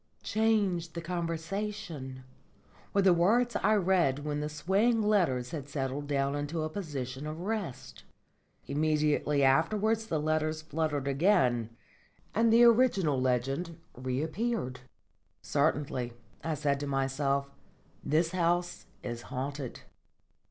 "Change the conversation," were the words I read when the swaying letters had settled down into a position of rest. Immediately afterwards the letters fluttered again and the original legend reappeared. "Certainly," I said to myself, "this house is haunted."